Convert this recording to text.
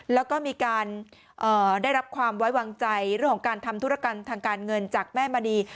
แล้วก็มีการได้รับความไว้วางใจเรื่องของการทำธุรกรรมทางการเงินจากแม่มณี